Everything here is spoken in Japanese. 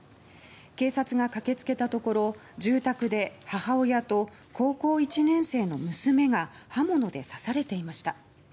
警察が駆け付けたところ住宅で母親と高校１年生の娘が刃物で刺されていました。